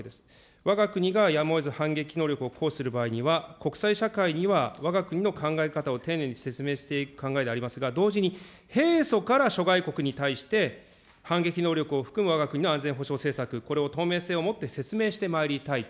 わが国がやむをえず反撃能力を行使する場合には、国際社会にはわが国の考え方を丁寧に説明していく考えでありますが、同時に平素から諸外国に対して反撃能力を含むわが国の安全保障政策、これを透明性をもって説明してまいりたいと。